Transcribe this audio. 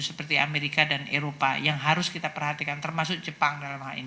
seperti amerika dan eropa yang harus kita perhatikan termasuk jepang dalam hal ini